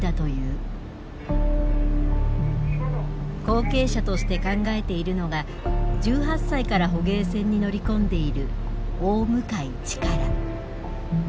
後継者として考えているのが１８歳から捕鯨船に乗り込んでいる大向力。